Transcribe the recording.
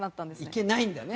いけないんだね。